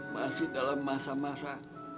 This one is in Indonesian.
masih dalam masa masa